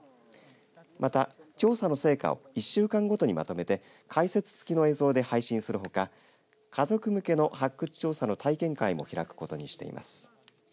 また調査の成果を１週間ごとにまとめて解説付きの映像で配信するほか家族向けの発掘調査の体験会も開くことにしています。